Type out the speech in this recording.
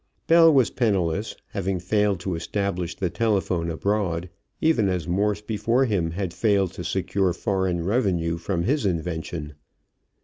Bell was penniless, having failed to establish the telephone abroad, even as Morse before him had failed to secure foreign revenue from his invention.